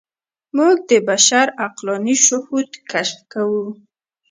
موږ د بشر عقلاني شهود کشف کوو.